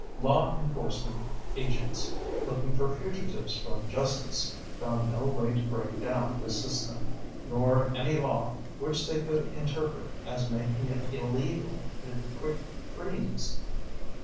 Law enforcement agents, looking for fugitives from justice, found no way to break down this system, nor any law which they could interpret as making it illegal to quick freeze.